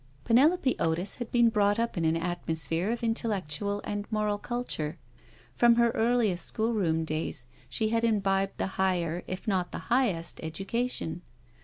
Penelope Otis had been brought up in an atmosphere of intellectual and moral culture. From her earliest schoolroom days she had imbibed the higher, if not the highest, education.